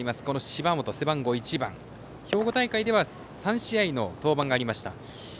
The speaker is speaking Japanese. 芝本、背番号１番兵庫大会では３試合の登板がありました。